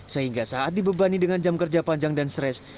sehingga saat dibebani dengan jam kerja panjang dan stres